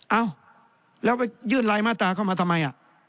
เอ้าแล้วไปยื่นรายมาตราเข้ามาทำไม